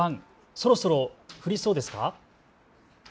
そろそろ降りそうですか。